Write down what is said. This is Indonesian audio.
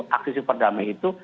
aksi superdame itu